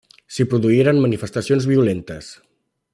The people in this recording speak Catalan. S'hi produïren manifestacions violentes.